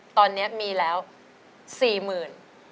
ตอนนี้มีแล้วสี่หมื่น